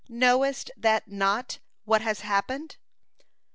Knowest thou not what has happened?